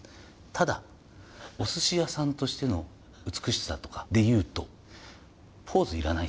ただお鮨屋さんとしての美しさとかでいうとポーズいらないです。